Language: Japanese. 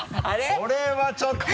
これはちょっと。